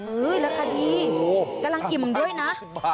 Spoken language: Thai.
แล้วค่ะนี่กำลังอิ่มด้วยนะ